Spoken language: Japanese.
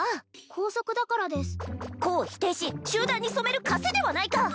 校則だからです個を否定し集団に染めるかせではないか！